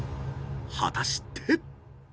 ［果たして］